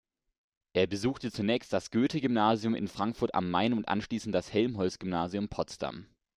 Er besuchte zunächst das Goethe-Gymnasium in Frankfurt am Main und anschließend das Helmholtz-Gymnasium Potsdam.